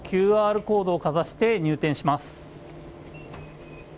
ＱＲコードをかざして入店します。